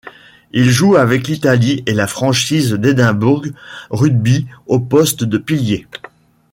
Il joue avec l'Italie et la franchise d'Édimbourg Rugby au poste de pilier.